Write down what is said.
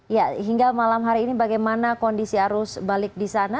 ya hingga malam hari ini bagaimana kondisi arus balik di sana